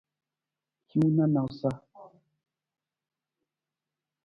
Hiwung na nawusa.